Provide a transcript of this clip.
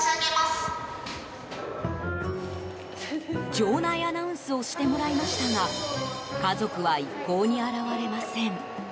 場内アナウンスをしてもらいましたが家族は一向に現れません。